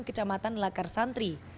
kecamatan lakar santri